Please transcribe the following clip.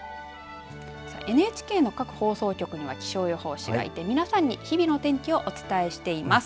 ＮＨＫの各放送局には気象予報士がいて皆さんに日々の天気をお伝えしています。